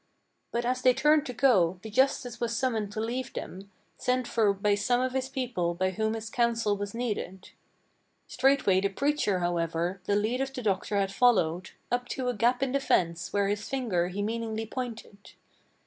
But as they turned to go, the justice was summoned to leave them, Sent for by some of his people by whom his counsel was needed. Straightway the preacher, however, the lead of the doctor had followed Up to a gap in the fence where his finger he meaningly pointed.